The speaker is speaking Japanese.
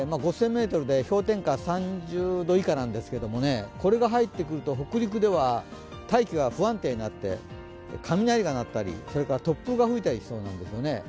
５０００ｍで氷点下３０度以下なんですけれども、これが入ってくると北陸では大気が不安定になって雷が鳴ったり、突風が吹いたりしそうなんですよね。